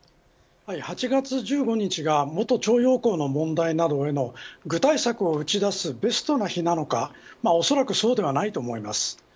８月１５日が元徴用工の問題などへの具体策を打ち出すベストな日なのかおそらくそうではないと思います。